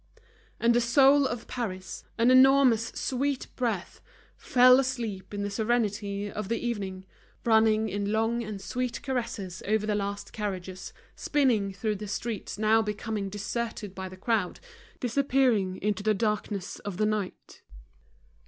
And the soul of Paris, an enormous, sweet breath, fell asleep in the serenity of the evening, running in long and sweet caresses over the last carriages, spinning through the streets now becoming deserted by the crowd, disappearing into the darkness of the night.